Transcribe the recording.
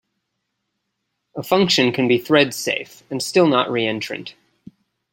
A function can be thread-safe and still not reentrant.